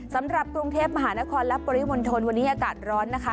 สำหรับกรุงเทพมหานครและปริมณฑลวันนี้อากาศร้อนนะคะ